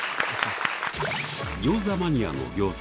餃子マニアの餃子